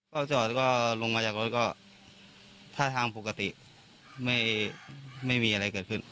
ก็เจอร์หรือลงมาจากรถถ่ายทางปกติไม่มีอะไรเกิดขึ้น